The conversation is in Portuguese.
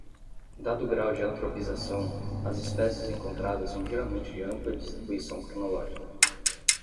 Dado o grau de antropização, as espécies encontradas são geralmente de ampla distribuição cronológica.